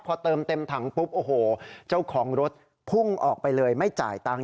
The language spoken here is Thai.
พอเติมเต็มถังปุ๊บโอ้โหเจ้าของรถพุ่งออกไปเลยไม่จ่ายตังค์